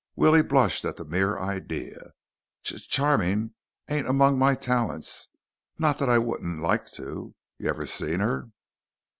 Willie blushed at the mere idea. "Ch charming ain't among my talents. Not that I wouldn't l like to. You ever seen her?"